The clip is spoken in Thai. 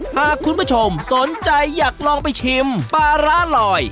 หากคุณผู้ชมสนใจอยากลองไปชิมปลาร้าลอย